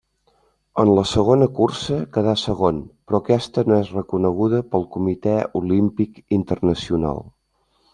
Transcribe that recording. En la segona cursa quedà segon, però aquesta no és reconeguda pel Comitè Olímpic Internacional.